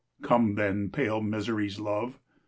Come, then, * pale Mifery's love !'